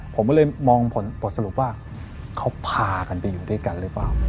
ผมก็เลยมองผลสรุปว่าเขาพากันไปอยู่ด้วยกันหรือเปล่า